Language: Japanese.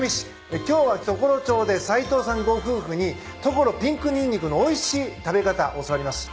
今日は常呂町で齊藤さんご夫婦にところピンクにんにくのおいしい食べ方教わります。